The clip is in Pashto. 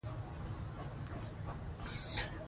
که يووالی نه وي نو هېواد خرابيږي.